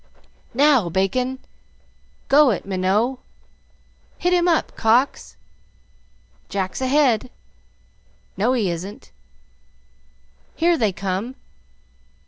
"Now, Bacon!" "Go it, Minot!" "Hit him up, Cox!" "Jack's ahead!" "No, he isn't!" "Here they come!"